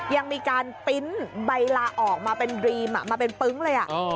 ยังมีการปริ้นต์ใบลาออกมาเป็นดรีมมาเป็นปึ๊งเลย